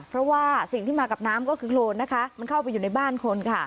เพราะว่าสิ่งที่มากับน้ำก็คือโครนนะคะมันเข้าไปอยู่ในบ้านคนค่ะ